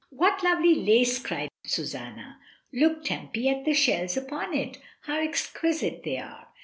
"What lovely lace!" cried Susanna. "Look, Tempy, at the shells upon it; how exquisite they are!"